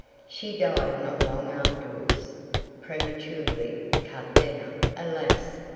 She died not long afterwards, prematurely cut down, alas!